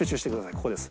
ここです。